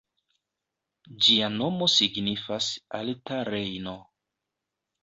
Ĝia nomo signifas “alta Rejno”.